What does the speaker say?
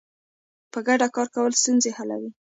په ګډه کار کول ستونزې حلوي.